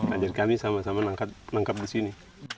ajar kami sama sama menangkap di sini